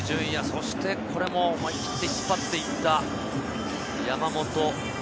そして、思い切って引っ張っていった、山本。